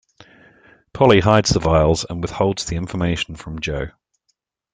Polly hides the vials and withholds the information from Joe.